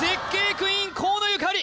クイーン河野ゆかり